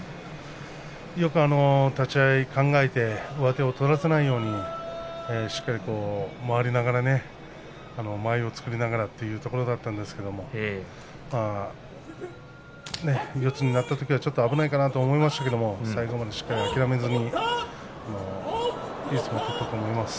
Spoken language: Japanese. よく立ち合い考えて上手を取らせないようにしっかり回りながらね間合いを作りながらというところだったんですけれど四つになったときは、ちょっと危ないかなと思いましたけれども最後までしっかり諦めずにいい相撲を取ったと思います。